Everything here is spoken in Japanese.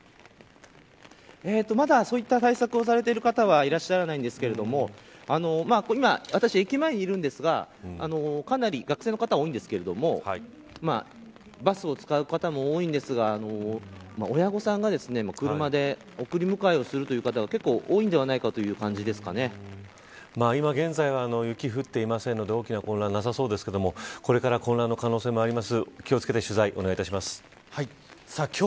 まだ、そういった対策をされている方はいらっしゃらないんですけれども今私、駅前にいるんですがかなり学生の方が多いんですがバスを使う方も多いですが親御さんが、車で送り迎えをするという方が結構多いのではないか今、現在は雪降っていませんので大きな混乱なさそうですがこれから混乱の可能性もあります。